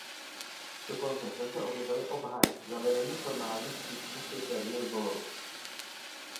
Dokonce se zde objevili obhájci zavedení formálních přísných kritérií rybolovu.